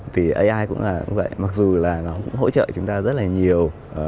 thì ai cũng là vậy mặc dù là nó cũng hỗ trợ chúng ta rất là nhiều